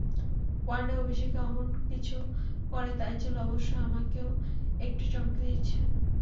One day অভিষেকে অমন কিছু করে তাইজুল অবশ্য আমাকেও একটু চমকে দিয়েছে।